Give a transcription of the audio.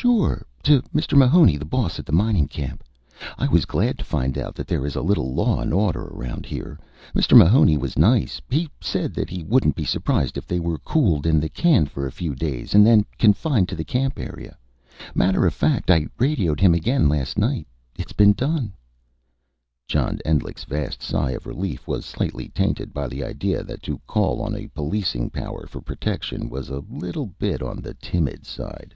"Sure. To Mr. Mahoney, the boss at the mining camp. I was glad to find out that there is a little law and order around here. Mr. Mahoney was nice. He said that he wouldn't be surprised if they were cooled in the can for a few days, and then confined to the camp area. Matter of fact, I radioed him again last night. It's been done." John Endlich's vast sigh of relief was slightly tainted by the idea that to call on a policing power for protection was a little bit on the timid side.